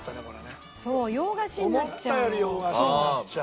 思ったより洋菓子になっちゃう。